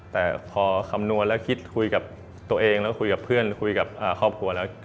แต่พอคำนวณแล้วคิดคุยกับตัวเองแล้วคุยกับเพื่อนคุยกับครอบครัวแล้ว